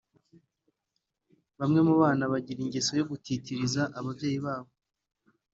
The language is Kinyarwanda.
Bamwe mu bana bagira ingeso yo gutitiririza ababyeyi babo